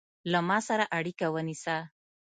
له ما سره اړیکه ونیسه